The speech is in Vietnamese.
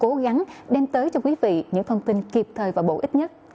cố gắng đem tới cho quý vị những thông tin kịp thời và bổ ích nhất